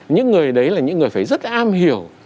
những người đấy là những người phải rất am hiểu